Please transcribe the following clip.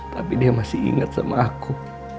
tapi dia masih ingat sama aku